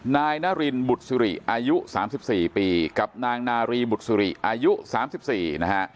นายนารินบุตสุริอายุสามสิบสี่ปีกับนางนารีบุตสุริอายุสามสิบสี่นะฮะ